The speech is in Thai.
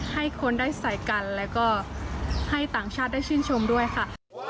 ให้คนได้ใส่กันแล้วก็ให้ต่างชาติได้ชื่นชมด้วยค่ะ